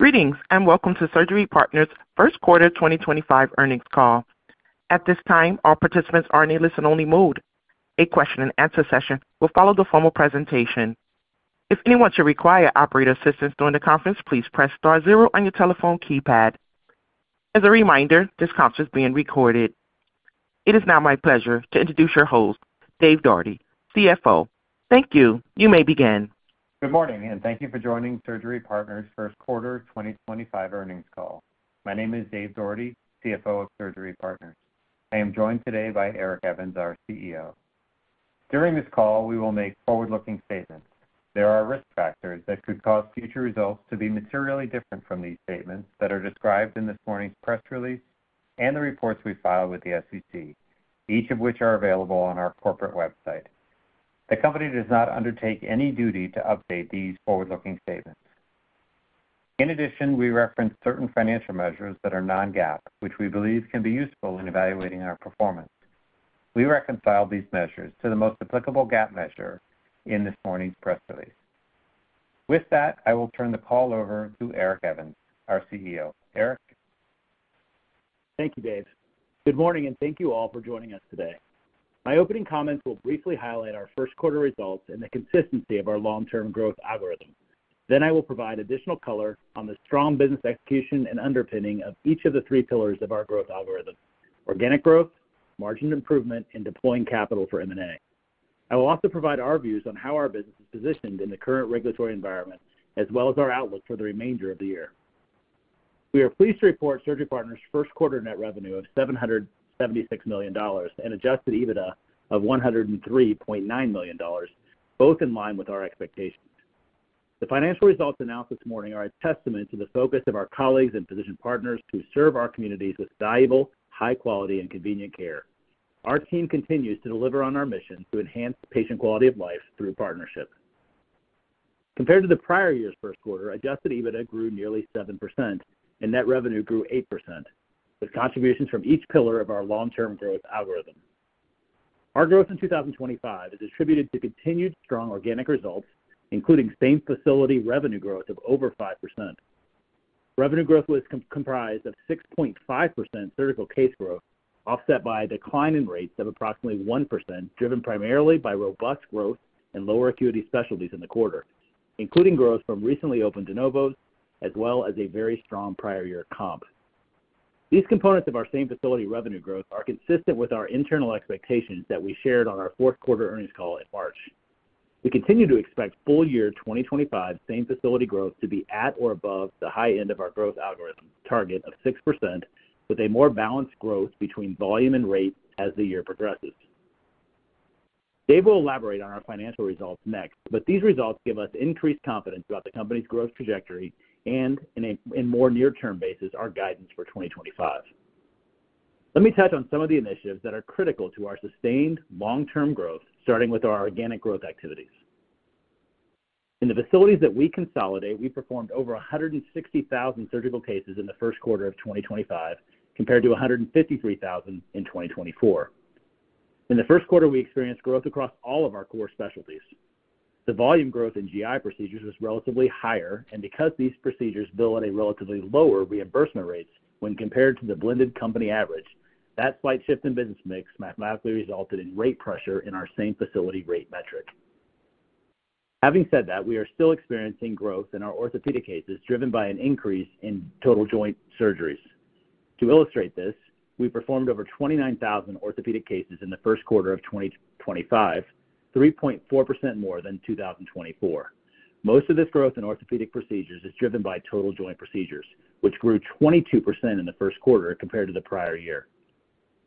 Greetings and welcome to Surgery Partners' first quarter 2025 earnings call. At this time, all participants are in a listen-only mode. A question-and-answer session will follow the formal presentation. If anyone should require operator assistance during the conference, please press star zero on your telephone keypad. As a reminder, this conference is being recorded. It is now my pleasure to introduce your host, Dave Doherty, CFO. Thank you. You may begin. Good morning, and thank you for joining Surgery Partners' first quarter 2025 earnings call. My name is Dave Doherty, CFO of Surgery Partners. I am joined today by Eric Evans, our CEO. During this call, we will make forward-looking statements. There are risk factors that could cause future results to be materially different from these statements that are described in this morning's press release and the reports we filed with the SEC, each of which are available on our corporate website. The company does not undertake any duty to update these forward-looking statements. In addition, we reference certain financial measures that are non-GAAP, which we believe can be useful in evaluating our performance. We reconcile these measures to the most applicable GAAP measure in this morning's press release. With that, I will turn the call over to Eric Evans, our CEO. Eric. Thank you, Dave. Good morning, and thank you all for joining us today. My opening comments will briefly highlight our first quarter results and the consistency of our long-term growth algorithm. Then I will provide additional color on the strong business execution and underpinning of each of the three pillars of our growth algorithm: organic growth, margin improvement, and deploying capital for M&A. I will also provide our views on how our business is positioned in the current regulatory environment, as well as our outlook for the remainder of the year. We are pleased to report Surgery Partners' first quarter net revenue of $776 million and adjusted EBITDA of $103.9 million, both in line with our expectations. The financial results announced this morning are a testament to the focus of our colleagues and physician partners to serve our communities with valuable, high-quality, and convenient care. Our team continues to deliver on our mission to enhance patient quality of life through partnership. Compared to the prior year's first quarter, Adjusted EBITDA grew nearly 7%, and net revenue grew 8%, with contributions from each pillar of our long-term growth algorithm. Our growth in 2025 is attributed to continued strong organic results, including same-facility revenue growth of over 5%. Revenue growth was comprised of 6.5% surgical case growth, offset by a decline in rates of approximately 1%, driven primarily by robust growth in lower acuity specialties in the quarter, including growth from recently opened de novos, as well as a very strong prior-year comp. These components of our same-facility revenue growth are consistent with our internal expectations that we shared on our fourth quarter earnings call in March. We continue to expect full-year 2025 same-facility growth to be at or above the high end of our growth algorithm target of 6%, with a more balanced growth between volume and rate as the year progresses. Dave will elaborate on our financial results next, but these results give us increased confidence about the company's growth trajectory and, in a more near-term basis, our guidance for 2025. Let me touch on some of the initiatives that are critical to our sustained long-term growth, starting with our organic growth activities. In the facilities that we consolidate, we performed over 160,000 surgical cases in the first quarter of 2025, compared to 153,000 in 2024. In the first quarter, we experienced growth across all of our core specialties. The volume growth in GI procedures was relatively higher, and because these procedures bill at a relatively lower reimbursement rate when compared to the blended company average, that slight shift in business mix mathematically resulted in rate pressure in our same-facility rate metric. Having said that, we are still experiencing growth in our orthopedic cases, driven by an increase in total joint surgeries. To illustrate this, we performed over 29,000 orthopedic cases in the first quarter of 2025, 3.4% more than 2024. Most of this growth in orthopedic procedures is driven by total joint procedures, which grew 22% in the first quarter compared to the prior year.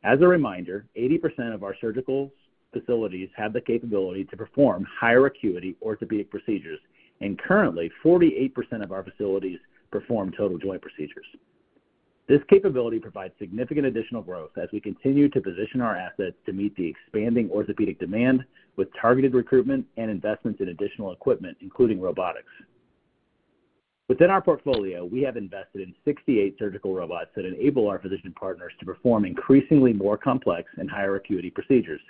As a reminder, 80% of our surgical facilities have the capability to perform higher acuity orthopedic procedures, and currently, 48% of our facilities perform total joint procedures. This capability provides significant additional growth as we continue to position our assets to meet the expanding orthopedic demand, with targeted recruitment and investments in additional equipment, including robotics. Within our portfolio, we have invested in 68 surgical robots that enable our physician partners to perform increasingly more complex and higher acuity procedures.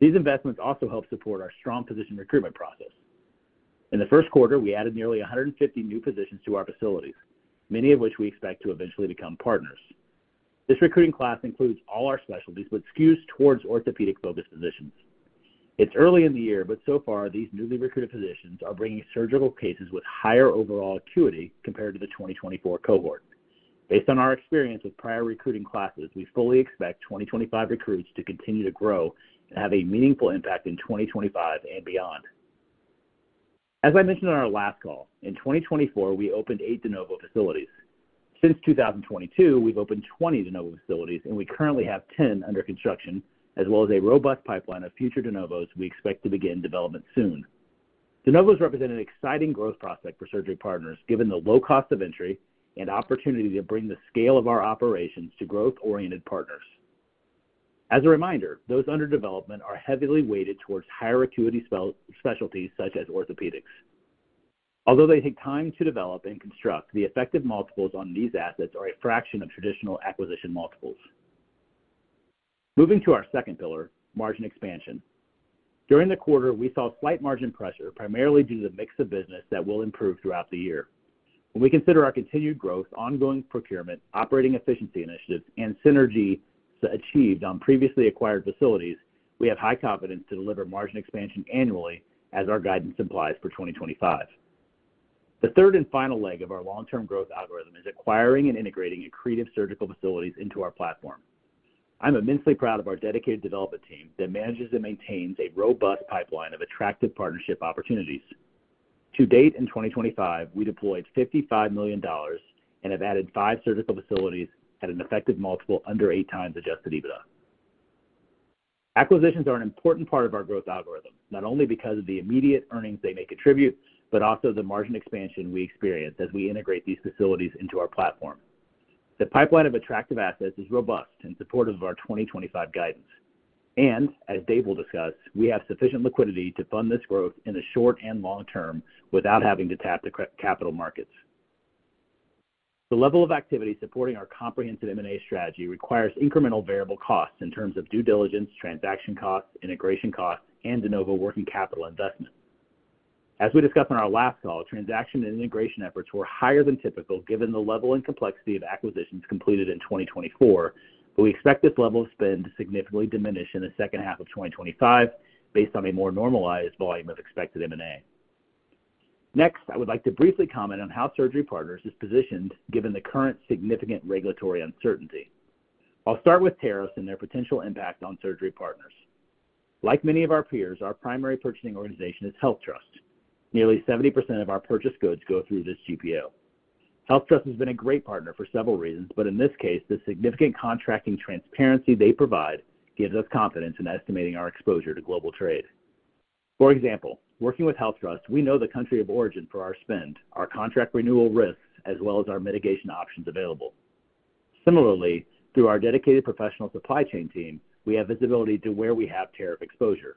These investments also help support our strong physician recruitment process. In the first quarter, we added nearly 150 new physicians to our facilities, many of which we expect to eventually become partners. This recruiting class includes all our specialties, but skews towards orthopedic-focused positions. It's early in the year, but so far, these newly recruited physicians are bringing surgical cases with higher overall acuity compared to the 2024 cohort. Based on our experience with prior recruiting classes, we fully expect 2025 recruits to continue to grow and have a meaningful impact in 2025 and beyond. As I mentioned on our last call, in 2024, we opened eight de novo facilities. Since 2022, we've opened 20 de novo facilities, and we currently have 10 under construction, as well as a robust pipeline of future de novos we expect to begin development soon. De novos represent an exciting growth prospect for Surgery Partners, given the low cost of entry and opportunity to bring the scale of our operations to growth-oriented partners. As a reminder, those under development are heavily weighted towards higher acuity specialties such as orthopedics. Although they take time to develop and construct, the effective multiples on these assets are a fraction of traditional acquisition multiples. Moving to our second pillar, margin expansion. During the quarter, we saw slight margin pressure, primarily due to the mix of business that will improve throughout the year. When we consider our continued growth, ongoing procurement, operating efficiency initiatives, and synergy achieved on previously acquired facilities, we have high confidence to deliver margin expansion annually, as our guidance implies for 2025. The third and final leg of our long-term growth algorithm is acquiring and integrating accretive surgical facilities into our platform. I'm immensely proud of our dedicated development team that manages and maintains a robust pipeline of attractive partnership opportunities. To date, in 2025, we deployed $55 million and have added five surgical facilities at an effective multiple under 8x Adjusted EBITDA. Acquisitions are an important part of our growth algorithm, not only because of the immediate earnings they may contribute, but also the margin expansion we experience as we integrate these facilities into our platform. The pipeline of attractive assets is robust and supportive of our 2025 guidance. As Dave will discuss, we have sufficient liquidity to fund this growth in the short and long term without having to tap the capital markets. The level of activity supporting our comprehensive M&A strategy requires incremental variable costs in terms of due diligence, transaction costs, integration costs, and de novo working capital investment. As we discussed on our last call, transaction and integration efforts were higher than typical, given the level and complexity of acquisitions completed in 2024, but we expect this level of spend to significantly diminish in the second half of 2025, based on a more normalized volume of expected M&A. Next, I would like to briefly comment on how Surgery Partners is positioned, given the current significant regulatory uncertainty. I will start with tariffs and their potential impact on Surgery Partners. Like many of our peers, our primary purchasing organization is HealthTrust. Nearly 70% of our purchased goods go through this GPO. HealthTrust has been a great partner for several reasons, but in this case, the significant contracting transparency they provide gives us confidence in estimating our exposure to global trade. For example, working with HealthTrust, we know the country of origin for our spend, our contract renewal risks, as well as our mitigation options available. Similarly, through our dedicated professional supply chain team, we have visibility to where we have tariff exposure.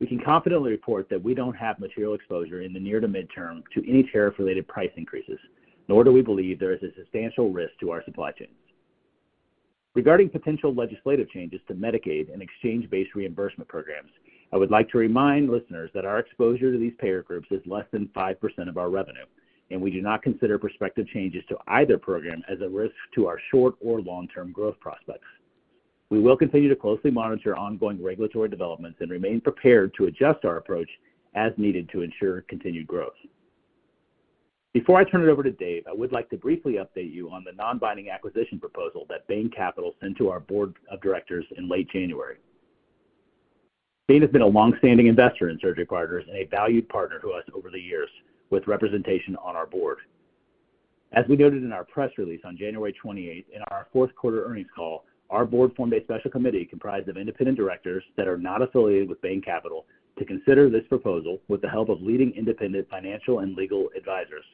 We can confidently report that we don't have material exposure in the near to midterm to any tariff-related price increases, nor do we believe there is a substantial risk to our supply chains. Regarding potential legislative changes to Medicaid and exchange-based reimbursement programs, I would like to remind listeners that our exposure to these payer groups is less than 5% of our revenue, and we do not consider prospective changes to either program as a risk to our short or long-term growth prospects. We will continue to closely monitor ongoing regulatory developments and remain prepared to adjust our approach as needed to ensure continued growth. Before I turn it over to Dave, I would like to briefly update you on the non-binding acquisition proposal that Bain Capital sent to our board of directors in late January. Bain has been a longstanding investor in Surgery Partners and a valued partner to us over the years, with representation on our board. As we noted in our press release on January 28, in our fourth quarter earnings call, our board formed a special committee comprised of independent directors that are not affiliated with Bain Capital to consider this proposal with the help of leading independent financial and legal advisors.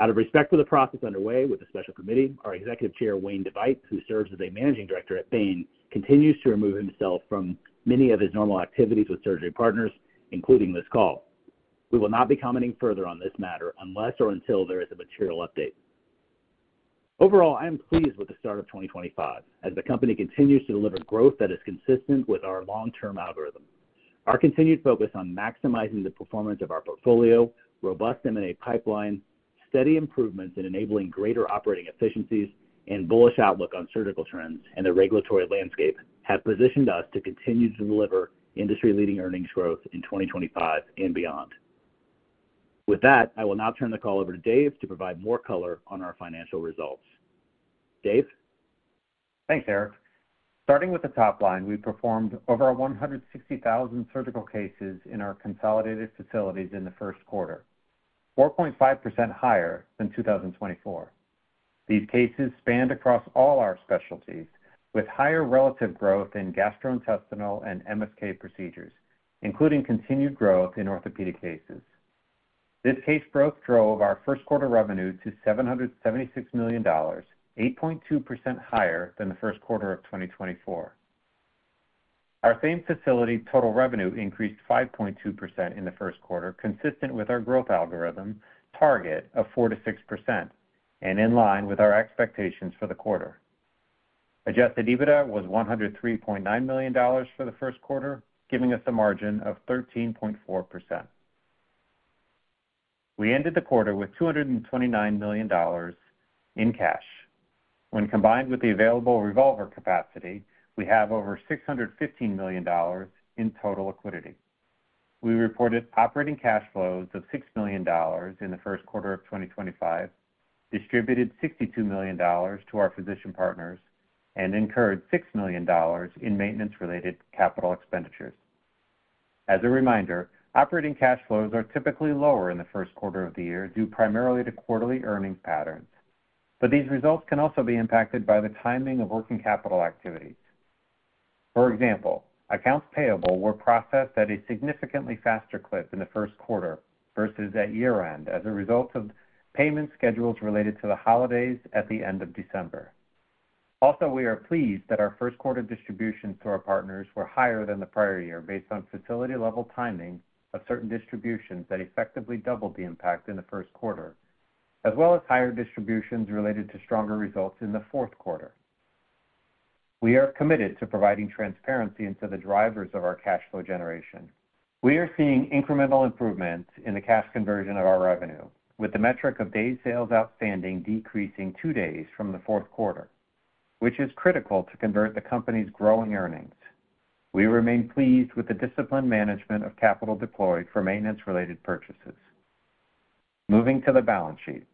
Out of respect for the process underway with the special committee, our Executive Chair, Wayne DeVeydt, who serves as a managing director at Bain, continues to remove himself from many of his normal activities with Surgery Partners, including this call. We will not be commenting further on this matter unless or until there is a material update. Overall, I am pleased with the start of 2025, as the company continues to deliver growth that is consistent with our long-term algorithm. Our continued focus on maximizing the performance of our portfolio, robust M&A pipeline, steady improvements in enabling greater operating efficiencies, and bullish outlook on surgical trends and the regulatory landscape have positioned us to continue to deliver industry-leading earnings growth in 2025 and beyond. With that, I will now turn the call over to Dave to provide more color on our financial results. Dave? Thanks, Eric. Starting with the top line, we performed over 160,000 surgical cases in our consolidated facilities in the first quarter, 4.5% higher than 2023. These cases spanned across all our specialties, with higher relative growth in gastrointestinal and MSK procedures, including continued growth in orthopedic cases. This case growth drove our first quarter revenue to $776 million, 8.2% higher than the first quarter of 2023. Our same-facility total revenue increased 5.2% in the first quarter, consistent with our growth algorithm target of 4%-6%, and in line with our expectations for the quarter. Adjusted EBITDA was $103.9 million for the first quarter, giving us a margin of 13.4%. We ended the quarter with $229 million in cash. When combined with the available revolver capacity, we have over $615 million in total liquidity. We reported operating cash flows of $6 million in the first quarter of 2025, distributed $62 million to our physician partners, and incurred $6 million in maintenance-related capital expenditures. As a reminder, operating cash flows are typically lower in the first quarter of the year due primarily to quarterly earnings patterns, but these results can also be impacted by the timing of working capital activities. For example, accounts payable were processed at a significantly faster clip in the first quarter versus at year-end as a result of payment schedules related to the holidays at the end of December. Also, we are pleased that our first-quarter distributions to our partners were higher than the prior year, based on facility-level timing of certain distributions that effectively doubled the impact in the first quarter, as well as higher distributions related to stronger results in the fourth quarter. We are committed to providing transparency into the drivers of our cash flow generation. We are seeing incremental improvements in the cash conversion of our revenue, with the metric of day sales outstanding decreasing two days from the fourth quarter, which is critical to convert the company's growing earnings. We remain pleased with the disciplined management of capital deployed for maintenance-related purchases. Moving to the balance sheet,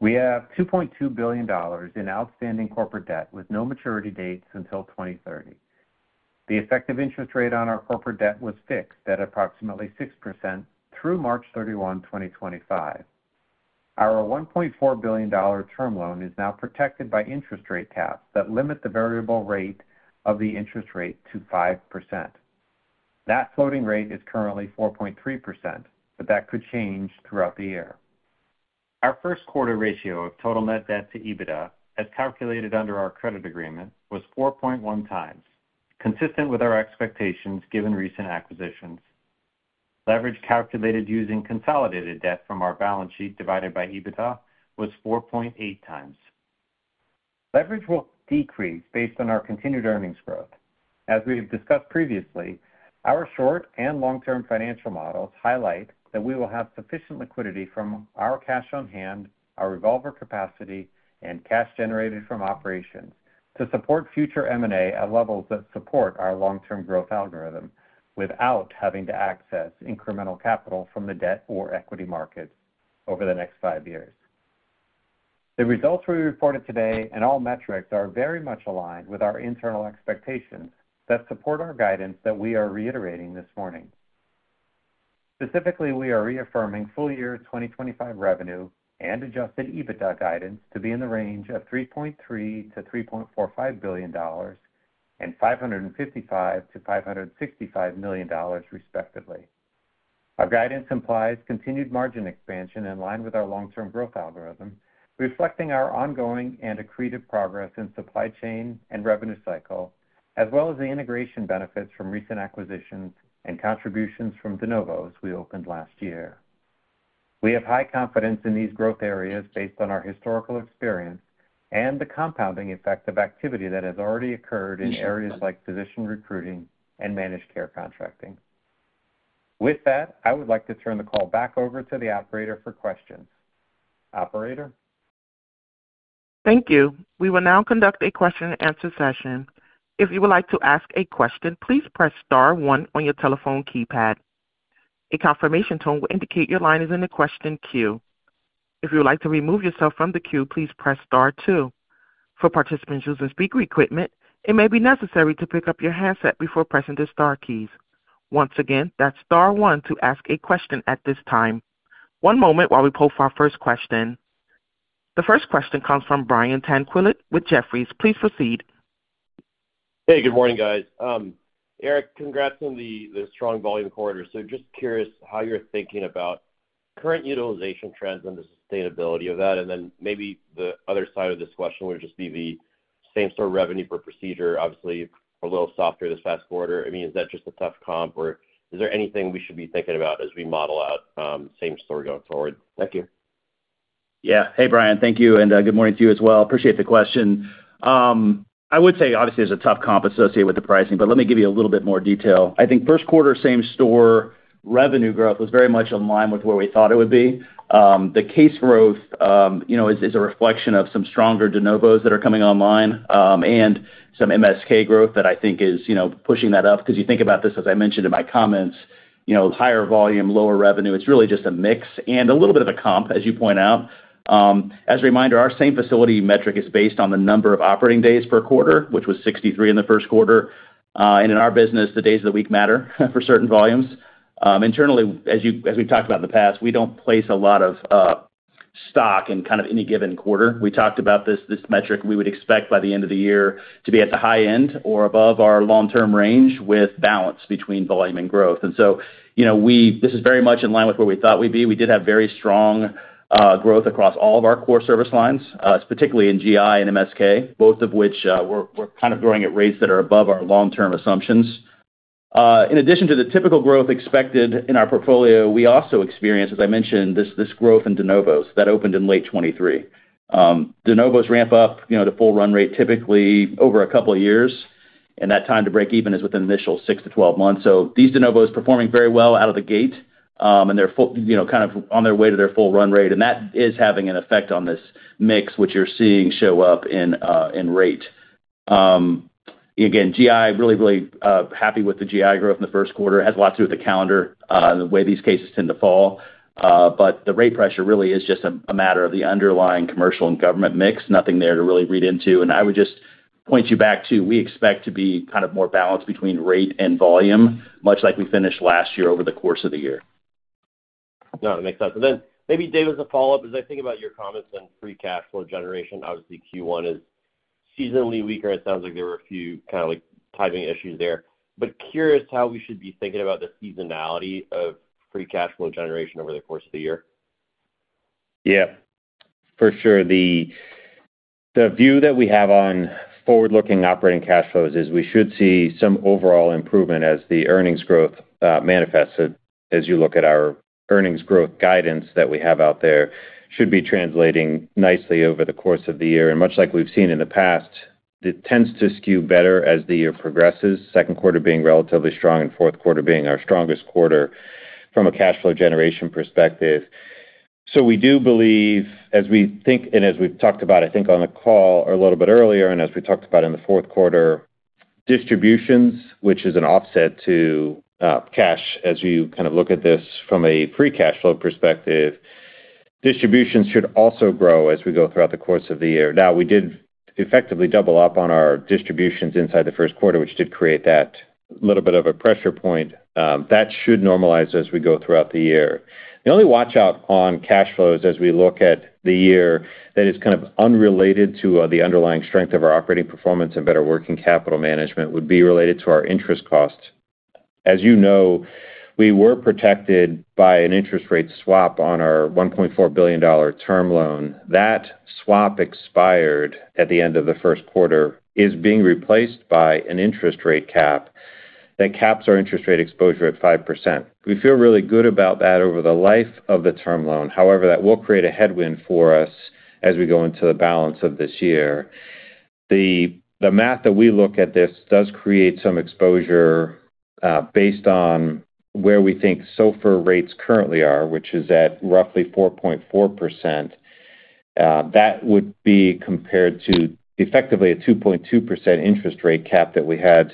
we have $2.2 billion in outstanding corporate debt with no maturity dates until 2030. The effective interest rate on our corporate debt was fixed at approximately 6% through March 31, 2025. Our $1.4 billion term loan is now protected by interest rate caps that limit the variable rate of the interest rate to 5%. That floating rate is currently 4.3%, but that could change throughout the year. Our first-quarter ratio of total net debt to EBITDA, as calculated under our credit agreement, was 4.1x, consistent with our expectations given recent acquisitions. Leverage calculated using consolidated debt from our balance sheet divided by EBITDA was 4.8x. Leverage will decrease based on our continued earnings growth. As we have discussed previously, our short and long-term financial models highlight that we will have sufficient liquidity from our cash on hand, our revolver capacity, and cash generated from operations to support future M&A at levels that support our long-term growth algorithm without having to access incremental capital from the debt or equity markets over the next five years. The results we reported today and all metrics are very much aligned with our internal expectations that support our guidance that we are reiterating this morning. Specifically, we are reaffirming full-year 2025 revenue and adjusted EBITDA guidance to be in the range of $3.3 billion-$3.45 billion and $555 million-$565 million, respectively. Our guidance implies continued margin expansion in line with our long-term growth algorithm, reflecting our ongoing and accretive progress in supply chain and revenue cycle, as well as the integration benefits from recent acquisitions and contributions from de novos we opened last year. We have high confidence in these growth areas based on our historical experience and the compounding effect of activity that has already occurred in areas like physician recruiting and managed care contracting. With that, I would like to turn the call back over to the operator for questions. Operator? Thank you. We will now conduct a question-and-answer session. If you would like to ask a question, please press Star one on your telephone keypad. A confirmation tone will indicate your line is in the question queue. If you would like to remove yourself from the queue, please press Star two. For participants using speaker equipment, it may be necessary to pick up your handset before pressing the Star keys. Once again, that's Star one to ask a question at this time. One moment while we pull for our first question. The first question comes from Brian Tanquilut with Jefferies. Please proceed. Hey, good morning, guys. Eric, congrats on the strong volume quarter. Just curious how you're thinking about current utilization trends and the sustainability of that. Maybe the other side of this question would just be the same-store revenue per procedure, obviously a little softer this past quarter. I mean, is that just a tough comp, or is there anything we should be thinking about as we model out same-store going forward? Thank you. Yeah. Hey, Brian. Thank you. Good morning to you as well. Appreciate the question. I would say, obviously, there's a tough comp associated with the pricing, but let me give you a little bit more detail. I think first quarter same-store revenue growth was very much in line with where we thought it would be. The case growth is a reflection of some stronger de novos that are coming online and some MSK growth that I think is pushing that up. You think about this, as I mentioned in my comments, higher volume, lower revenue, it's really just a mix and a little bit of a comp, as you point out. As a reminder, our same-facility metric is based on the number of operating days per quarter, which was 63 in the first quarter. In our business, the days of the week matter for certain volumes. Internally, as we've talked about in the past, we don't place a lot of stock in kind of any given quarter. We talked about this metric. We would expect by the end of the year to be at the high end or above our long-term range with balance between volume and growth. This is very much in line with where we thought we'd be. We did have very strong growth across all of our core service lines, particularly in GI and MSK, both of which are kind of growing at rates that are above our long-term assumptions. In addition to the typical growth expected in our portfolio, we also experience, as I mentioned, this growth in de novos that opened in late 2023. De novos ramp up the full run rate typically over a couple of years, and that time to break even is within the initial 6-12 months. These de novos are performing very well out of the gate, and they're kind of on their way to their full run rate. That is having an effect on this mix, which you're seeing show up in rate. Again, GI, really, really happy with the GI growth in the first quarter. It has a lot to do with the calendar and the way these cases tend to fall. The rate pressure really is just a matter of the underlying commercial and government mix, nothing there to really read into. I would just point you back to we expect to be kind of more balanced between rate and volume, much like we finished last year over the course of the year. No, that makes sense. Maybe, Dave, as a follow-up, as I think about your comments on free cash flow generation, obviously, Q1 is seasonally weaker. It sounds like there were a few kind of timing issues there. Curious how we should be thinking about the seasonality of free cash flow generation over the course of the year. Yeah. For sure. The view that we have on forward-looking operating cash flows is we should see some overall improvement as the earnings growth manifested. As you look at our earnings growth guidance that we have out there, it should be translating nicely over the course of the year. Much like we've seen in the past, it tends to skew better as the year progresses, second quarter being relatively strong and fourth quarter being our strongest quarter from a cash flow generation perspective. We do believe, as we think and as we've talked about, I think on the call a little bit earlier, and as we talked about in the fourth quarter, distributions, which is an offset to cash, as you kind of look at this from a free cash flow perspective, distributions should also grow as we go throughout the course of the year. Now, we did effectively double up on our distributions inside the first quarter, which did create that little bit of a pressure point. That should normalize as we go throughout the year. The only watch-out on cash flows as we look at the year that is kind of unrelated to the underlying strength of our operating performance and better working capital management would be related to our interest costs. As you know, we were protected by an interest rate swap on our $1.4 billion term loan. That swap expired at the end of the first quarter, is being replaced by an interest rate cap that caps our interest rate exposure at 5%. We feel really good about that over the life of the term loan. However, that will create a headwind for us as we go into the balance of this year. The math that we look at this does create some exposure based on where we think SOFR rates currently are, which is at roughly 4.4%. That would be compared to effectively a 2.2% interest rate cap that we had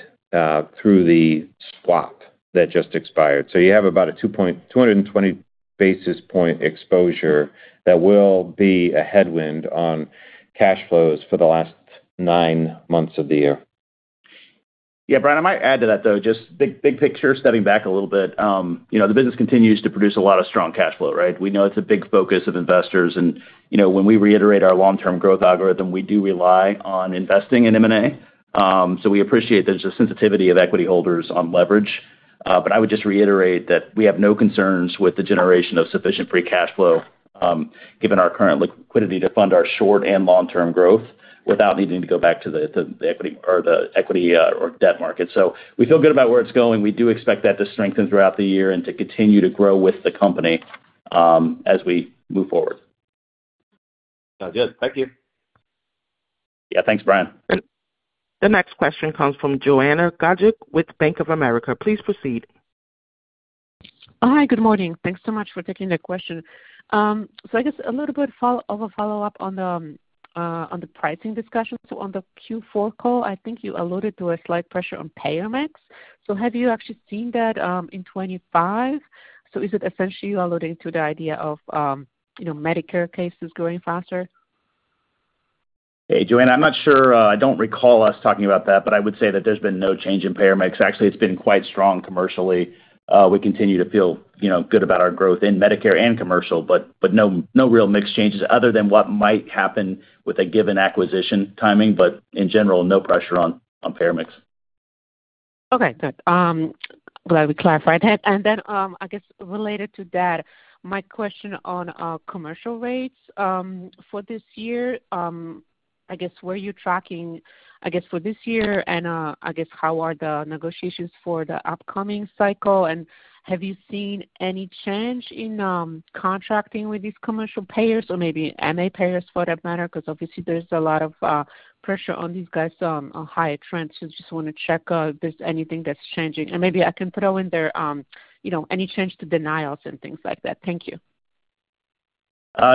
through the swap that just expired. You have about a 220 basis point exposure that will be a headwind on cash flows for the last nine months of the year. Yeah, Brian, I might add to that, though, just big picture, stepping back a little bit. The business continues to produce a lot of strong cash flow, right? We know it's a big focus of investors. When we reiterate our long-term growth algorithm, we do rely on investing in M&A. We appreciate the sensitivity of equity holders on leverage. I would just reiterate that we have no concerns with the generation of sufficient free cash flow given our current liquidity to fund our short and long-term growth without needing to go back to the equity or debt market. We feel good about where it's going. We do expect that to strengthen throughout the year and to continue to grow with the company as we move forward. Sounds good. Thank you. Yeah. Thanks, Brian. The next question comes from Joanna Gajuk with Bank of America. Please proceed. Hi, good morning. Thanks so much for taking the question. I guess a little bit of a follow-up on the pricing discussion. On the Q4 call, I think you alluded to a slight pressure on payer max. Have you actually seen that in 2025? Is it essentially alluding to the idea of Medicare cases growing faster? Hey, Joanna, I'm not sure. I don't recall us talking about that, but I would say that there's been no change in payer mix. Actually, it's been quite strong commercially. We continue to feel good about our growth in Medicare and commercial, but no real mix changes other than what might happen with a given acquisition timing. In general, no pressure on payer mix. Okay. Good. Glad we clarified that. I guess related to that, my question on commercial rates for this year, I guess, where are you tracking, I guess, for this year? I guess, how are the negotiations for the upcoming cycle? Have you seen any change in contracting with these commercial payers or maybe MA payers for that matter? Obviously, there's a lot of pressure on these guys on higher trends. I just want to check if there's anything that's changing. Maybe I can throw in there any change to denials and things like that. Thank you.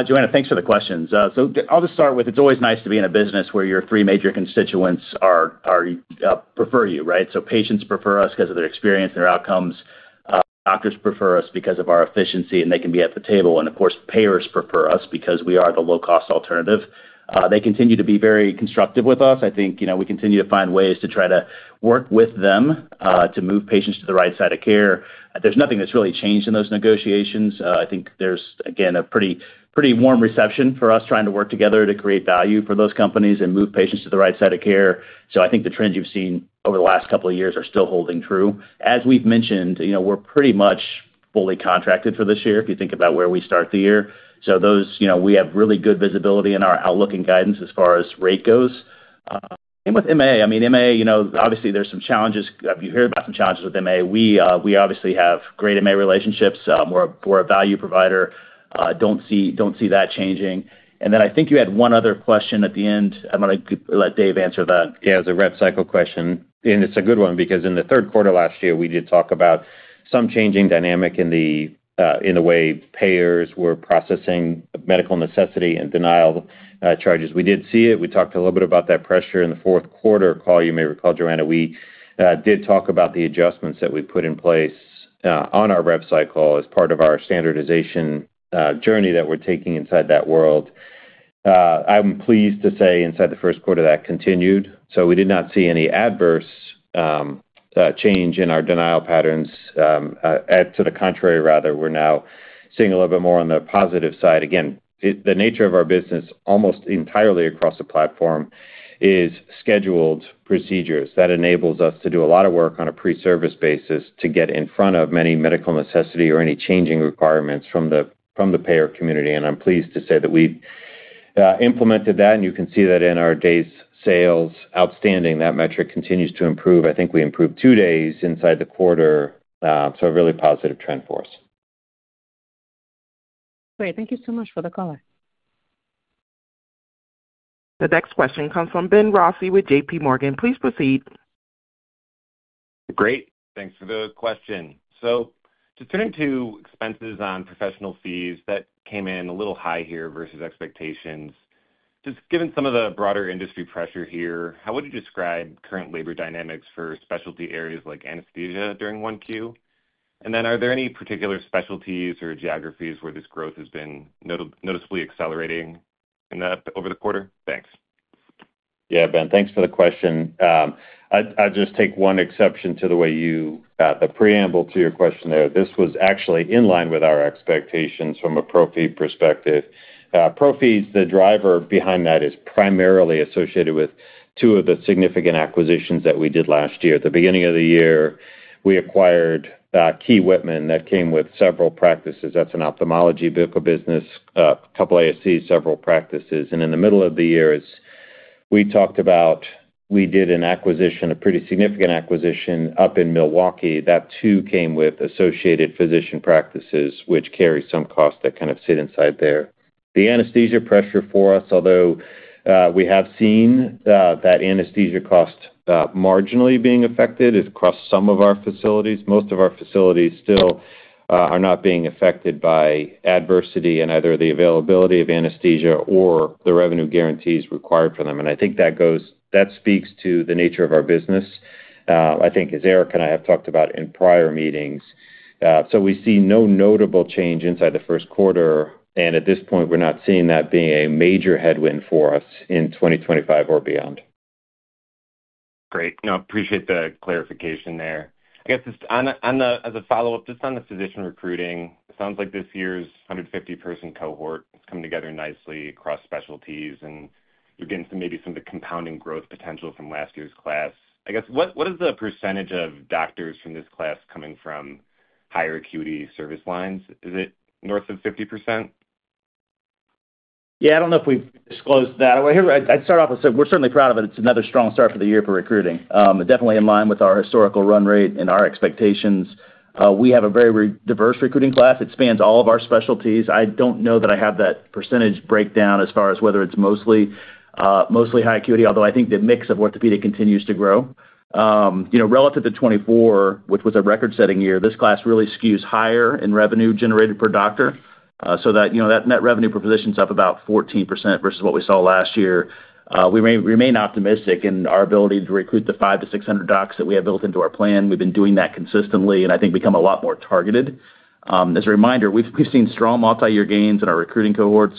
Joanna, thanks for the questions. I'll just start with it's always nice to be in a business where your three major constituents prefer you, right? Patients prefer us because of their experience and their outcomes. Doctors prefer us because of our efficiency, and they can be at the table. Of course, payers prefer us because we are the low-cost alternative. They continue to be very constructive with us. I think we continue to find ways to try to work with them to move patients to the right side of care. There's nothing that's really changed in those negotiations. I think there's, again, a pretty warm reception for us trying to work together to create value for those companies and move patients to the right side of care. I think the trends you've seen over the last couple of years are still holding true. As we've mentioned, we're pretty much fully contracted for this year if you think about where we start the year. We have really good visibility in our outlook and guidance as far as rate goes. Same with MA. I mean, MA, obviously, there's some challenges. You hear about some challenges with MA. We obviously have great MA relationships. We're a value provider. Don't see that changing. I think you had one other question at the end. I'm going to let Dave answer that. Yeah, it was a rep cycle question. And it's a good one because in the third quarter last year, we did talk about some changing dynamic in the way payers were processing medical necessity and denial charges. We did see it. We talked a little bit about that pressure in the fourth quarter call. You may recall, Joanna, we did talk about the adjustments that we put in place on our rep cycle as part of our standardization journey that we're taking inside that world. I'm pleased to say inside the first quarter that continued. So we did not see any adverse change in our denial patterns. To the contrary, rather, we're now seeing a little bit more on the positive side. Again, the nature of our business almost entirely across the platform is scheduled procedures. That enables us to do a lot of work on a pre-service basis to get in front of many medical necessity or any changing requirements from the payer community. I'm pleased to say that we've implemented that. You can see that in our days sales outstanding. That metric continues to improve. I think we improved two days inside the quarter. A really positive trend for us. Great. Thank you so much for the color. The next question comes from Benjamin Rossi with JPMorgan. Please proceed. Great. Thanks for the question. Just turning to expenses on professional fees, that came in a little high here versus expectations. Just given some of the broader industry pressure here, how would you describe current labor dynamics for specialty areas like anesthesia during Q1? Are there any particular specialties or geographies where this growth has been noticeably accelerating over the quarter? Thanks. Yeah, Ben, thanks for the question. I'll just take one exception to the way you got the preamble to your question there. This was actually in line with our expectations from a pro fee perspective. Pro fees, the driver behind that is primarily associated with two of the significant acquisitions that we did last year. At the beginning of the year, we acquired Key-Whitman that came with several practices. That's an ophthalmology vehicle business, a couple of ASCs, several practices. In the middle of the year, as we talked about, we did an acquisition, a pretty significant acquisition up in Milwaukee. That too came with associated physician practices, which carry some costs that kind of sit inside there. The anesthesia pressure for us, although we have seen that anesthesia cost marginally being affected across some of our facilities, most of our facilities still are not being affected by adversity in either the availability of anesthesia or the revenue guarantees required for them. I think that speaks to the nature of our business, I think, as Eric and I have talked about in prior meetings. We see no notable change inside the first quarter. At this point, we're not seeing that being a major headwind for us in 2025 or beyond. Great. No, appreciate the clarification there. I guess as a follow-up, just on the physician recruiting, it sounds like this year's 150-person cohort is coming together nicely across specialties, and you're getting maybe some of the compounding growth potential from last year's class. I guess, what is the percentage of doctors from this class coming from higher acuity service lines? Is it north of 50%? Yeah, I don't know if we've disclosed that. I'd start off and say we're certainly proud of it. It's another strong start for the year for recruiting. Definitely in line with our historical run rate and our expectations. We have a very diverse recruiting class. It spans all of our specialties. I don't know that I have that percentage breakdown as far as whether it's mostly high acuity, although I think the mix of orthopedic continues to grow. Relative to 2024, which was a record-setting year, this class really skews higher in revenue generated per doctor. So that net revenue per physician is up about 14% versus what we saw last year. We remain optimistic in our ability to recruit the 500-600 docs that we have built into our plan. We've been doing that consistently and I think become a lot more targeted. As a reminder, we've seen strong multi-year gains in our recruiting cohorts.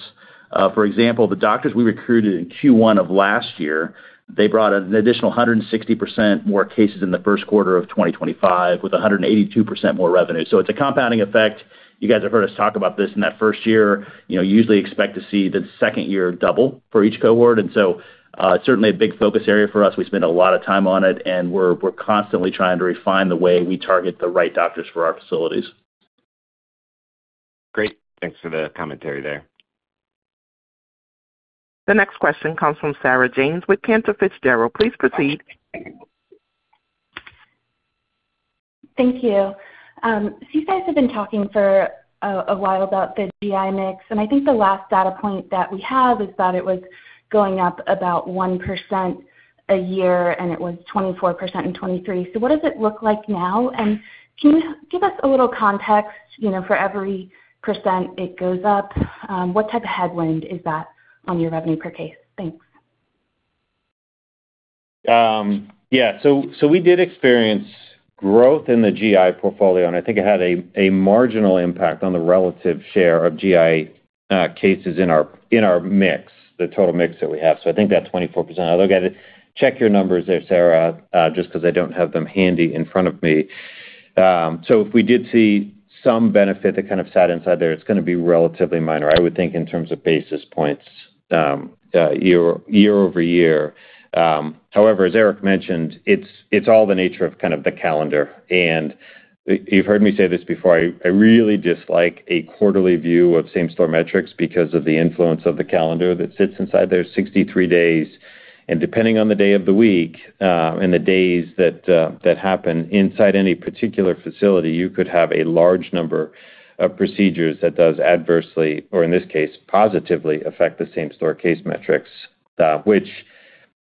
For example, the doctors we recruited in Q1 of last year, they brought an additional 160% more cases in the first quarter of 2025 with 182% more revenue. It is a compounding effect. You guys have heard us talk about this in that first year. You usually expect to see the second year double for each cohort. It is certainly a big focus area for us. We spend a lot of time on it, and we're constantly trying to refine the way we target the right doctors for our facilities. Great. Thanks for the commentary there. The next question comes from Sarah James with Cantor Fitzgerald. Please proceed. Thank you. You guys have been talking for a while about the GI mix. I think the last data point that we have is that it was going up about 1% a year, and it was 24% in 2023. What does it look like now? Can you give us a little context for every percent it goes up? What type of headwind is that on your revenue per case? Thanks. Yeah. So we did experience growth in the GI portfolio, and I think it had a marginal impact on the relative share of GI cases in our mix, the total mix that we have. I think that 24%. I'll go ahead and check your numbers there, Sarah, just because I don't have them handy in front of me. If we did see some benefit that kind of sat inside there, it's going to be relatively minor, I would think, in terms of basis points year-over-year. However, as Eric mentioned, it's all the nature of kind of the calendar. You've heard me say this before. I really dislike a quarterly view of same-store metrics because of the influence of the calendar that sits inside there. 63 days. Depending on the day of the week and the days that happen inside any particular facility, you could have a large number of procedures that does adversely or, in this case, positively affect the same-store case metrics, which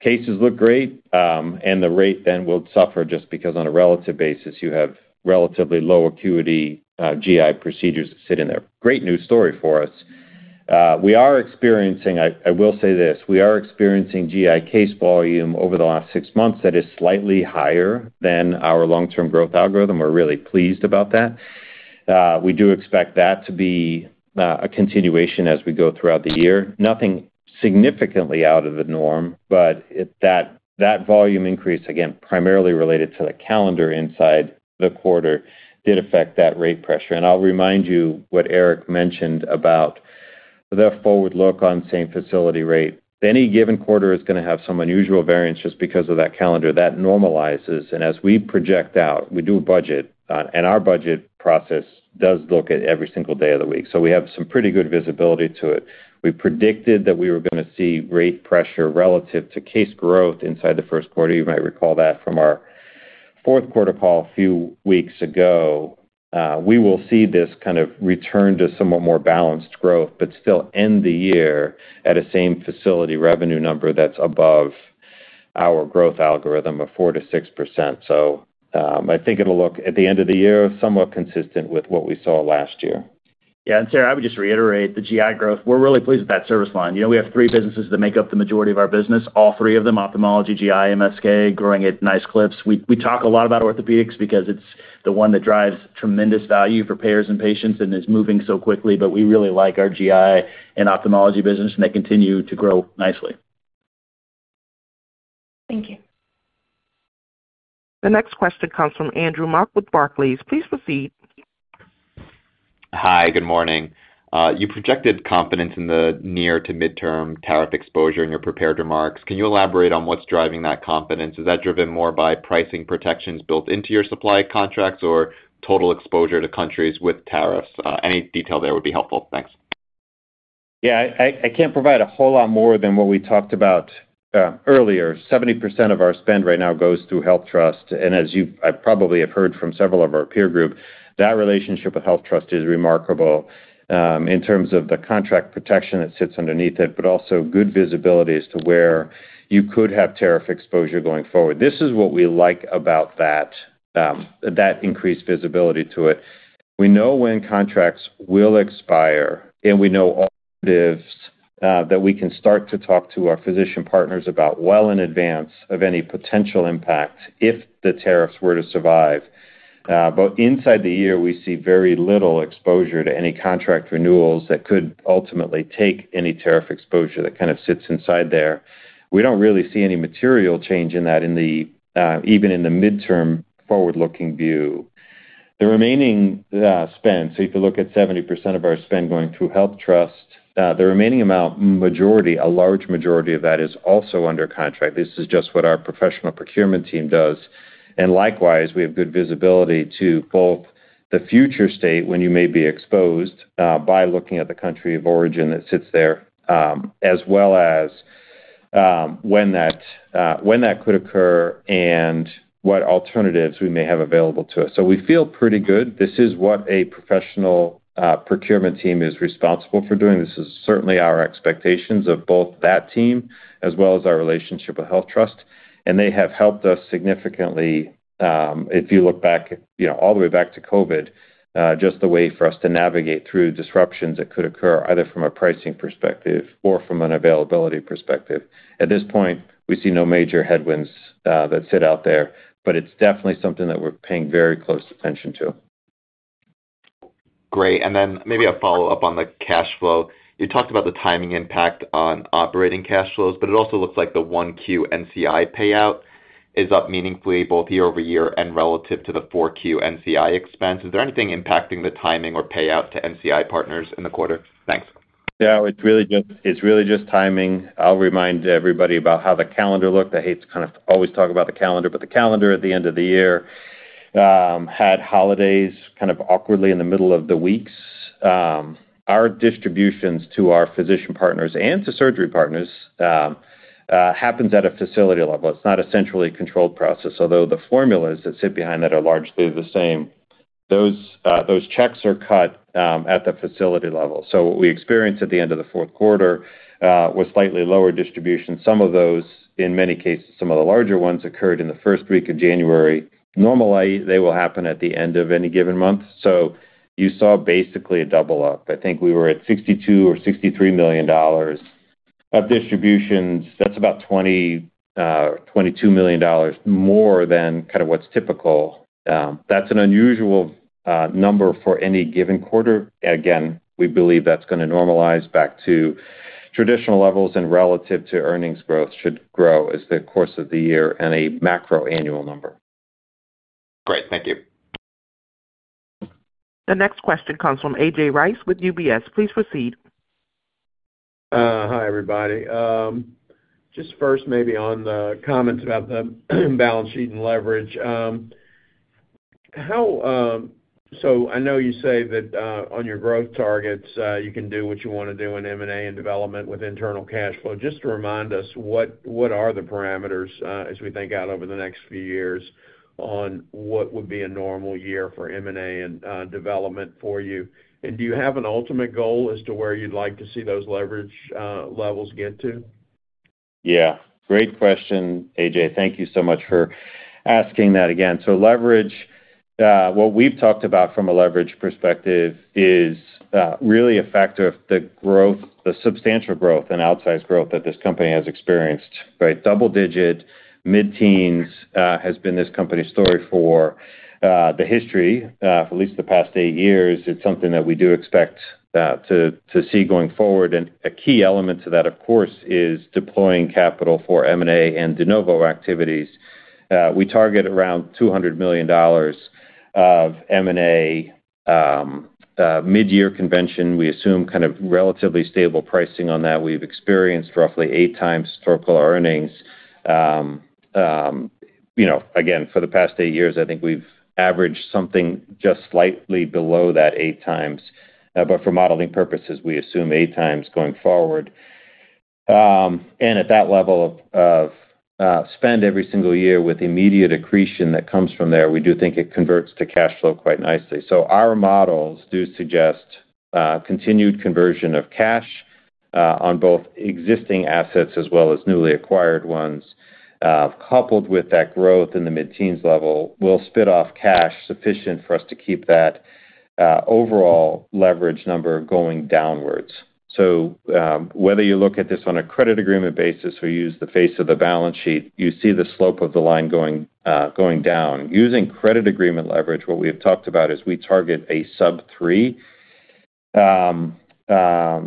cases look great, and the rate then will suffer just because on a relative basis, you have relatively low acuity GI procedures that sit in there. Great news story for us. We are experiencing, I will say this, we are experiencing GI case volume over the last six months that is slightly higher than our long-term growth algorithm. We're really pleased about that. We do expect that to be a continuation as we go throughout the year. Nothing significantly out of the norm, but that volume increase, again, primarily related to the calendar inside the quarter, did affect that rate pressure. I'll remind you what Eric mentioned about the forward look on same-facility rate. Any given quarter is going to have some unusual variance just because of that calendar. That normalizes. As we project out, we do a budget, and our budget process does look at every single day of the week. We have some pretty good visibility to it. We predicted that we were going to see rate pressure relative to case growth inside the first quarter. You might recall that from our fourth quarter call a few weeks ago. We will see this kind of return to somewhat more balanced growth, but still end the year at a same-facility revenue number that's above our growth algorithm of 4%-6%. I think it'll look at the end of the year somewhat consistent with what we saw last year. Yeah. Sarah, I would just reiterate the GI growth. We're really pleased with that service line. We have three businesses that make up the majority of our business. All three of them, ophthalmology, GI, MSK, growing at nice clips. We talk a lot about orthopedics because it's the one that drives tremendous value for payers and patients and is moving so quickly. We really like our GI and ophthalmology business, and they continue to grow nicely. Thank you. The next question comes from Andrew Mok with Barclays. Please proceed. Hi. Good morning. You projected confidence in the near to midterm tariff exposure in your prepared remarks. Can you elaborate on what's driving that confidence? Is that driven more by pricing protections built into your supply contracts or total exposure to countries with tariffs? Any detail there would be helpful. Thanks. Yeah. I can't provide a whole lot more than what we talked about earlier. 70% of our spend right now goes through HealthTrust. As you probably have heard from several of our peer group, that relationship with HealthTrust is remarkable in terms of the contract protection that sits underneath it, but also good visibility as to where you could have tariff exposure going forward. This is what we like about that increased visibility to it. We know when contracts will expire, and we know all that we can start to talk to our physician partners about well in advance of any potential impact if the tariffs were to survive. Inside the year, we see very little exposure to any contract renewals that could ultimately take any tariff exposure that kind of sits inside there. We do not really see any material change in that even in the midterm forward-looking view. The remaining spend, so you could look at 70% of our spend going through HealthTrust. The remaining amount, a large majority of that is also under contract. This is just what our professional procurement team does. Likewise, we have good visibility to both the future state when you may be exposed by looking at the country of origin that sits there, as well as when that could occur and what alternatives we may have available to us. We feel pretty good. This is what a professional procurement team is responsible for doing. This is certainly our expectations of both that team as well as our relationship with HealthTrust. They have helped us significantly. If you look back all the way back to COVID, just the way for us to navigate through disruptions that could occur either from a pricing perspective or from an availability perspective. At this point, we see no major headwinds that sit out there, but it's definitely something that we're paying very close attention to. Great. Maybe a follow-up on the cash flow. You talked about the timing impact on operating cash flows, but it also looks like the Q1 NCI payout is up meaningfully both year over year and relative to the Q4 NCI expense. Is there anything impacting the timing or payout to NCI partners in the quarter? Thanks. Yeah. It's really just timing. I'll remind everybody about how the calendar looked. I hate to kind of always talk about the calendar, but the calendar at the end of the year had holidays kind of awkwardly in the middle of the weeks. Our distributions to our physician partners and to Surgery Partners happen at a facility level. It's not a centrally controlled process. Although the formulas that sit behind that are largely the same, those checks are cut at the facility level. What we experienced at the end of the fourth quarter was slightly lower distribution. Some of those, in many cases, some of the larger ones occurred in the first week of January. Normally, they will happen at the end of any given month. You saw basically a double-up. I think we were at $62 or $63 million of distributions. That's about $22 million more than kind of what's typical. That's an unusual number for any given quarter. Again, we believe that's going to normalize back to traditional levels and relative to earnings growth should grow as the course of the year and a macro annual number. Great. Thank you. The next question comes from A.J. Rice with UBS. Please proceed. Hi, everybody. Just first, maybe on the comments about the balance sheet and leverage. I know you say that on your growth targets, you can do what you want to do in M&A and development with internal cash flow. Just to remind us, what are the parameters as we think out over the next few years on what would be a normal year for M&A and development for you? Do you have an ultimate goal as to where you'd like to see those leverage levels get to? Yeah. Great question, A.J. Thank you so much for asking that again. Leverage, what we've talked about from a leverage perspective, is really a factor of the substantial growth and outsized growth that this company has experienced, right? Double-digit, mid-teens has been this company's story for the history, at least the past eight years. It's something that we do expect to see going forward. A key element to that, of course, is deploying capital for M&A and de novo activities. We target around $200 million of M&A mid-year convention. We assume kind of relatively stable pricing on that. We've experienced roughly 8x historical earnings. Again, for the past eight years, I think we've averaged something just slightly below that 8x. For modeling purposes, we assume 8x going forward. At that level of spend every single year with immediate accretion that comes from there, we do think it converts to cash flow quite nicely. Our models do suggest continued conversion of cash on both existing assets as well as newly acquired ones. Coupled with that growth in the mid-teens level, we'll spit off cash sufficient for us to keep that overall leverage number going downwards. Whether you look at this on a credit agreement basis or use the face of the balance sheet, you see the slope of the line going down. Using credit agreement leverage, what we have talked about is we target a sub-three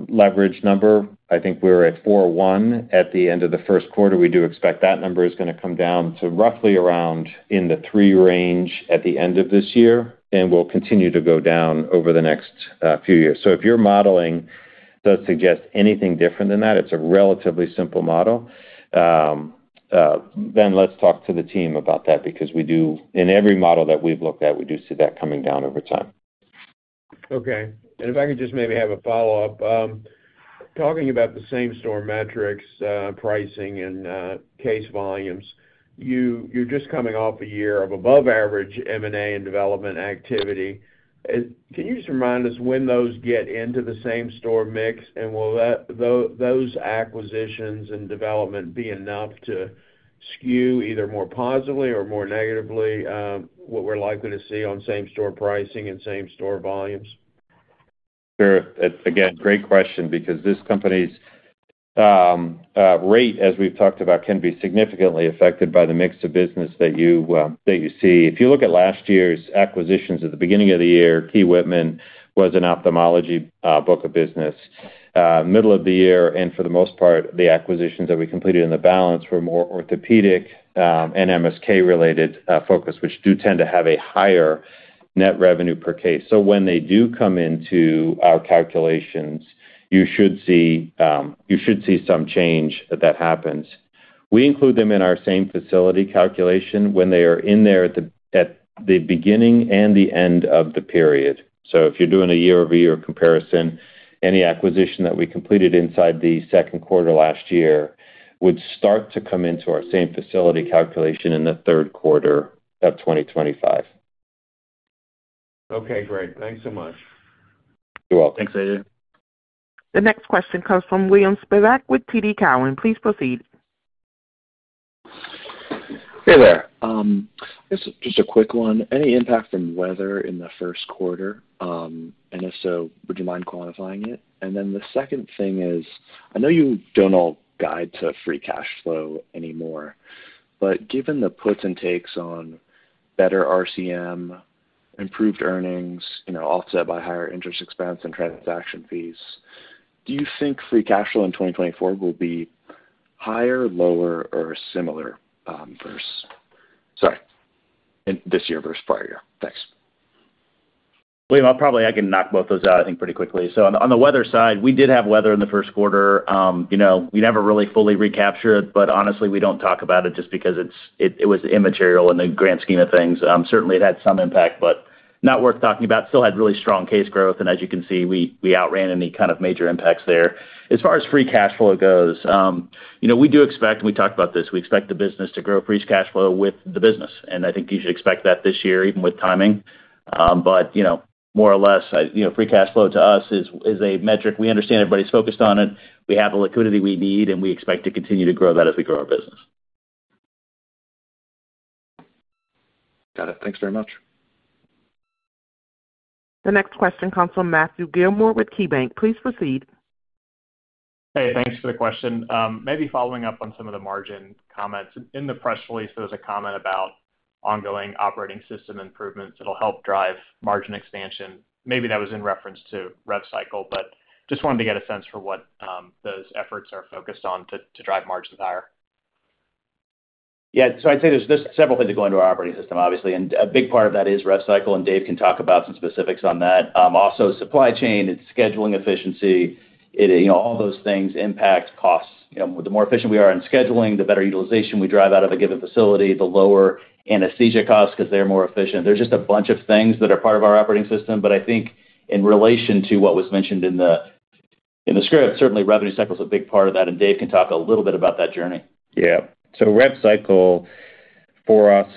leverage number. I think we're at 4.1 at the end of the first quarter. We do expect that number is going to come down to roughly around in the three range at the end of this year, and it will continue to go down over the next few years. If your modeling does suggest anything different than that, it is a relatively simple model, then let's talk to the team about that because in every model that we've looked at, we do see that coming down over time. Okay. If I could just maybe have a follow-up. Talking about the same-store metrics, pricing, and case volumes, you're just coming off a year of above-average M&A and development activity. Can you just remind us when those get into the same-store mix? Will those acquisitions and development be enough to skew either more positively or more negatively what we're likely to see on same-store pricing and same-store volumes? Sure. Again, great question because this company's rate, as we've talked about, can be significantly affected by the mix of business that you see. If you look at last year's acquisitions at the beginning of the year, Key-Whitman was an ophthalmology book of business. Middle of the year, and for the most part, the acquisitions that we completed in the balance were more orthopedic and MSK-related focus, which do tend to have a higher net revenue per case. When they do come into our calculations, you should see some change that happens. We include them in our same-facility calculation when they are in there at the beginning and the end of the period. If you're doing a year-over-year comparison, any acquisition that we completed inside the second quarter last year would start to come into our same-facility calculation in the third quarter of 2025. Okay. Great. Thanks so much. You're welcome. Thanks, AJ. The next question comes from William Spivack with TD Cowen. Please proceed. Hey there. Just a quick one. Any impact from weather in the first quarter? If so, would you mind qualifying it? The second thing is, I know you do not all guide to free cash flow anymore, but given the puts and takes on better RCM, improved earnings, offset by higher interest expense and transaction fees, do you think free cash flow in 2024 will be higher, lower, or similar versus—sorry—this year versus prior year? Thanks. William, I'll probably—I can knock both those out, I think, pretty quickly. On the weather side, we did have weather in the first quarter. We never really fully recaptured it, but honestly, we do not talk about it just because it was immaterial in the grand scheme of things. Certainly, it had some impact, but not worth talking about. Still had really strong case growth. As you can see, we outran any kind of major impacts there. As far as free cash flow goes, we do expect—and we talked about this—we expect the business to grow free cash flow with the business. I think you should expect that this year, even with timing. More or less, free cash flow to us is a metric. We understand everybody's focused on it. We have the liquidity we need, and we expect to continue to grow that as we grow our business. Got it. Thanks very much. The next question comes from Matthew Gillmor with KeyBanc. Please proceed. Hey, thanks for the question. Maybe following up on some of the margin comments. In the press release, there was a comment about ongoing operating system improvements that'll help drive margin expansion. Maybe that was in reference to rev cycle, but just wanted to get a sense for what those efforts are focused on to drive margins higher. Yeah. I'd say there's several things that go into our operating system, obviously. A big part of that is rev cycle, and Dave can talk about some specifics on that. Also, supply chain and scheduling efficiency, all those things impact costs. The more efficient we are in scheduling, the better utilization we drive out of a given facility, the lower anesthesia costs because they're more efficient. There's just a bunch of things that are part of our operating system. I think in relation to what was mentioned in the script, certainly, revenue cycle is a big part of that. Dave can talk a little bit about that journey. Yeah. Rev cycle for us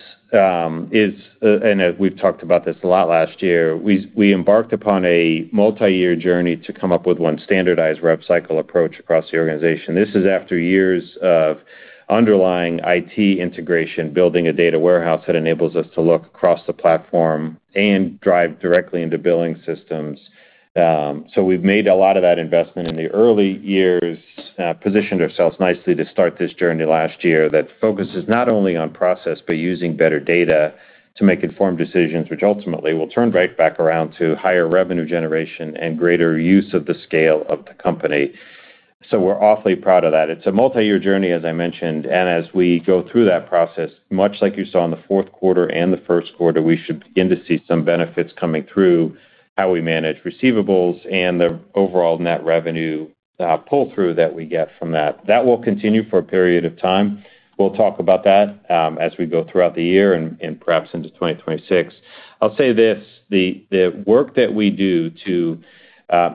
is—and we've talked about this a lot last year—we embarked upon a multi-year journey to come up with one standardized rev cycle approach across the organization. This is after years of underlying IT integration, building a data warehouse that enables us to look across the platform and drive directly into billing systems. We've made a lot of that investment in the early years, positioned ourselves nicely to start this journey last year that focuses not only on process, but using better data to make informed decisions, which ultimately will turn right back around to higher revenue generation and greater use of the scale of the company. We're awfully proud of that. It's a multi-year journey, as I mentioned. As we go through that process, much like you saw in the fourth quarter and the first quarter, we should begin to see some benefits coming through how we manage receivables and the overall net revenue pull-through that we get from that. That will continue for a period of time. We'll talk about that as we go throughout the year and perhaps into 2026. I'll say this: the work that we do to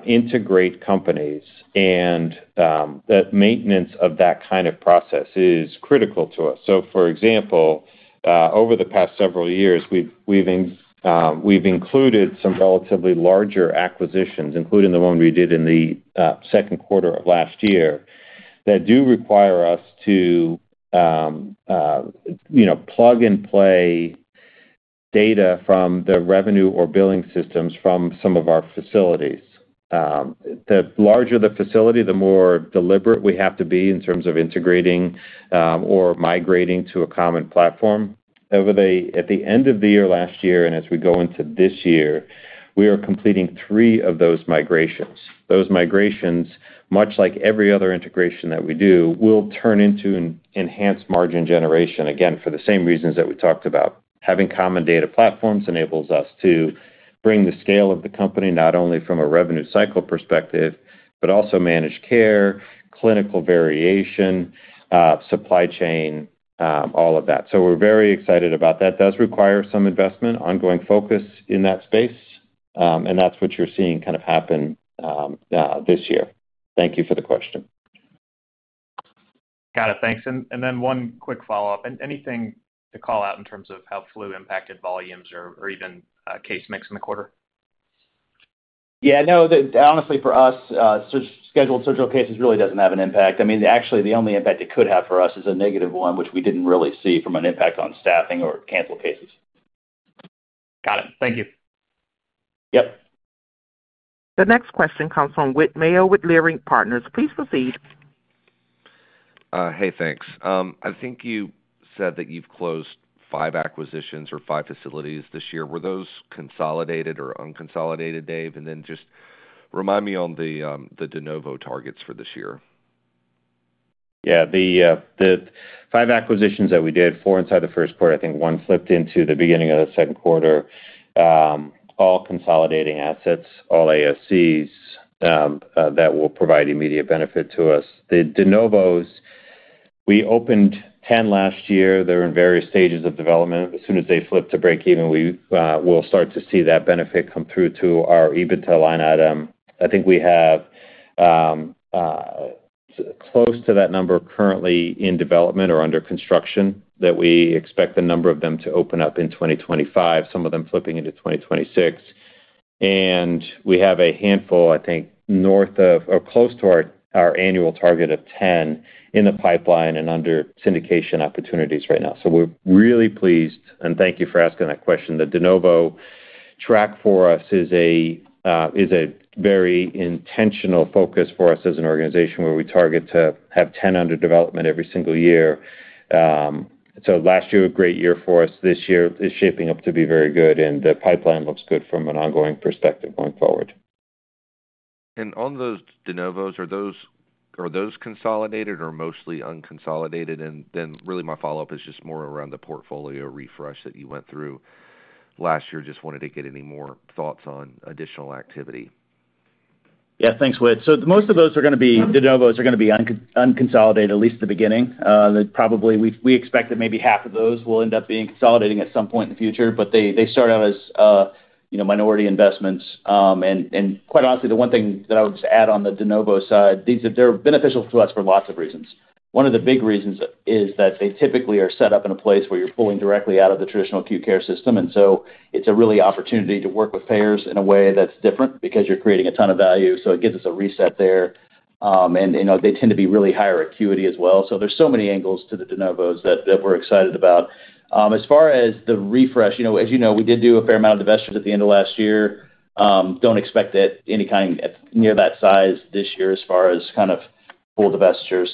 integrate companies and the maintenance of that kind of process is critical to us. For example, over the past several years, we've included some relatively larger acquisitions, including the one we did in the second quarter of last year, that do require us to plug and play data from the revenue or billing systems from some of our facilities. The larger the facility, the more deliberate we have to be in terms of integrating or migrating to a common platform. At the end of the year last year and as we go into this year, we are completing three of those migrations. Those migrations, much like every other integration that we do, will turn into enhanced margin generation, again, for the same reasons that we talked about. Having common data platforms enables us to bring the scale of the company not only from a revenue cycle perspective, but also manage care, clinical variation, supply chain, all of that. We are very excited about that. It does require some investment, ongoing focus in that space. That is what you are seeing kind of happen this year. Thank you for the question. Got it. Thanks. One quick follow-up. Anything to call out in terms of how flu impacted volumes or even case mix in the quarter? Yeah. No, honestly, for us, scheduled surgical cases really doesn't have an impact. I mean, actually, the only impact it could have for us is a negative one, which we didn't really see from an impact on staffing or cancel cases. Got it. Thank you. Yep. The next question comes from Whit Mayo with Leerink Partners. Please proceed. Hey, thanks. I think you said that you've closed five acquisitions or five facilities this year. Were those consolidated or unconsolidated, Dave? And then just remind me on the de novo targets for this year. Yeah. The five acquisitions that we did, four inside the first quarter, I think one slipped into the beginning of the second quarter, all consolidating assets, all ASCs that will provide immediate benefit to us. The de novos, we opened 10 last year. They're in various stages of development. As soon as they flip to break even, we will start to see that benefit come through to our EBITDA line item. I think we have close to that number currently in development or under construction that we expect the number of them to open up in 2025, some of them flipping into 2026. We have a handful, I think, north of or close to our annual target of 10 in the pipeline and under syndication opportunities right now. We are really pleased, and thank you for asking that question. The de novo track for us is a very intentional focus for us as an organization where we target to have 10 under development every single year. Last year, a great year for us. This year is shaping up to be very good, and the pipeline looks good from an ongoing perspective going forward. On those de novos, are those consolidated or mostly unconsolidated? My follow-up is just more around the portfolio refresh that you went through last year. Just wanted to get any more thoughts on additional activity. Yeah. Thanks, Whit. Most of those are going to be de novos, are going to be unconsolidated, at least at the beginning. We expect that maybe half of those will end up being consolidating at some point in the future, but they start out as minority investments. Quite honestly, the one thing that I would just add on the de novo side, they're beneficial to us for lots of reasons. One of the big reasons is that they typically are set up in a place where you're pulling directly out of the traditional acute care system. It is a really opportunity to work with payers in a way that's different because you're creating a ton of value. It gives us a reset there. They tend to be really higher acuity as well. There are so many angles to the de novos that we're excited about. As far as the refresh, as you know, we did do a fair amount of divestitures at the end of last year. Do not expect any kind near that size this year as far as kind of full divestiture.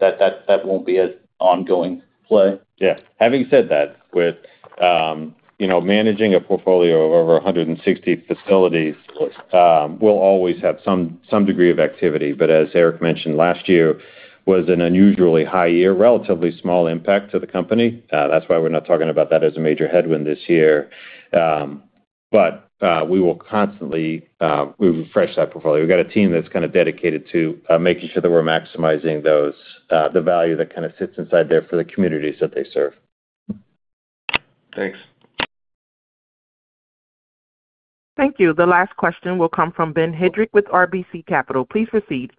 That will not be an ongoing play. Yeah. Having said that, Whit, managing a portfolio of over 160 facilities will always have some degree of activity. As Eric mentioned, last year was an unusually high year, relatively small impact to the company. That is why we are not talking about that as a major headwind this year. We will constantly refresh that portfolio. We have got a team that is kind of dedicated to making sure that we are maximizing the value that kind of sits inside there for the communities that they serve. Thanks. Thank you. The last question will come from Ben Hedrick with RBC Capital. Please proceed.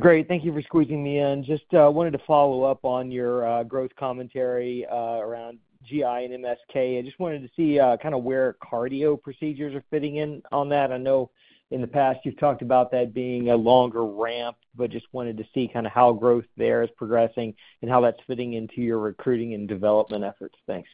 Great. Thank you for squeezing me in. Just wanted to follow up on your growth commentary around GI and MSK. I just wanted to see kind of where cardio procedures are fitting in on that. I know in the past you've talked about that being a longer ramp, but just wanted to see kind of how growth there is progressing and how that's fitting into your recruiting and development efforts. Thanks.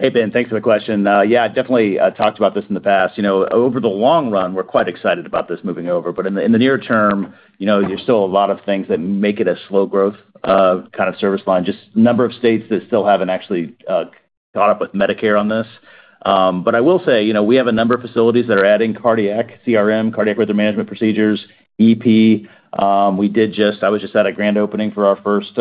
Hey, Ben. Thanks for the question. Yeah, I definitely talked about this in the past. Over the long run, we're quite excited about this moving over. In the near term, there's still a lot of things that make it a slow growth kind of service line. Just number of states that still haven't actually caught up with Medicare on this. I will say we have a number of facilities that are adding cardiac CRM, cardiac rhythm management procedures, EP. I was just at a grand opening for our first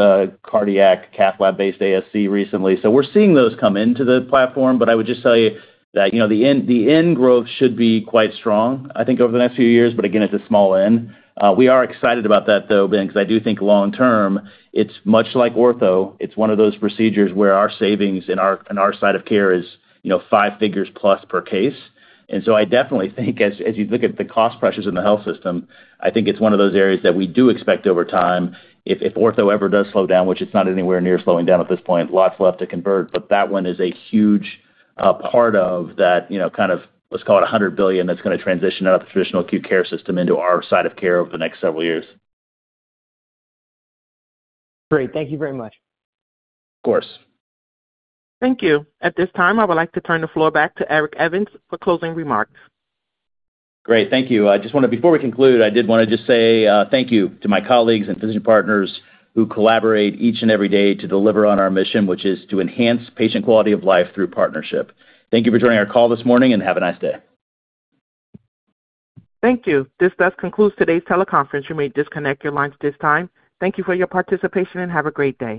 cardiac cath lab-based ASC recently. We're seeing those come into the platform. I would just tell you that the end growth should be quite strong, I think, over the next few years. Again, it's a small end. We are excited about that, though, Ben, because I do think long term, it's much like ortho. It's one of those procedures where our savings in our side of care is five figures plus per case. I definitely think, as you look at the cost pressures in the health system, it's one of those areas that we do expect over time. If ortho ever does slow down, which it's not anywhere near slowing down at this point, lots left to convert. That one is a huge part of that kind of, let's call it $100 billion that's going to transition out of the traditional acute care system into our side of care over the next several years. Great. Thank you very much. Of course. Thank you. At this time, I would like to turn the floor back to Eric Evans for closing remarks. Great. Thank you. I just wanted to, before we conclude, I did want to just say thank you to my colleagues and physician partners who collaborate each and every day to deliver on our mission, which is to enhance patient quality of life through partnership. Thank you for joining our call this morning and have a nice day. Thank you. This does conclude today's teleconference. You may disconnect your lines at this time. Thank you for your participation and have a great day.